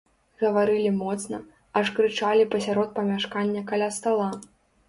Гаварылі моцна, аж крычалі пасярод памяшкання каля стала.